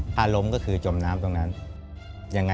ถ้าล้มก็คือจมน้ำตรงนั้นยังไง